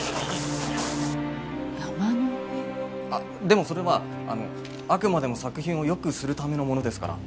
でもそれはあのあくまでも作品を良くするためのものですから。